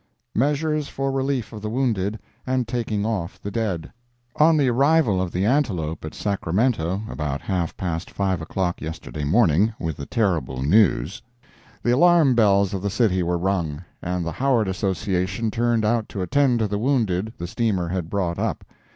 MEASURES FOR RELIEF OF THE WOUNDED, AND TAKING OFF THE DEAD. On the arrival of the Antelope at Sacramento, about half past five o'clock yesterday morning, with the terrible news, the alarm bells of the city were rung, and the Howard Association turned out to attend to the wounded the steamer had brought up.